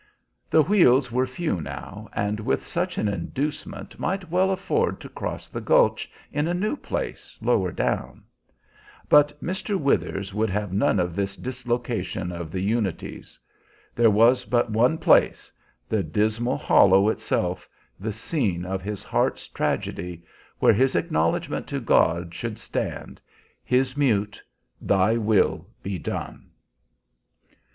The wheels were few now, and with such an inducement might well afford to cross the gulch in a new place lower down. But Mr. Withers would have none of this dislocation of the unities. There was but one place the dismal hollow itself, the scene of his heart's tragedy where his acknowledgment to God should stand; his mute "Thy will be done!"